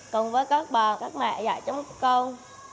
cùng với các ba các mẹ dạy chăm sóc con